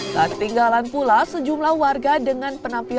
tak tinggalan pula sejumlah warga dengan penampilan yang menarik